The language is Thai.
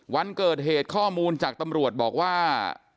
วันเกิดเหตุข้อมูลจากตำรวจบอกว่า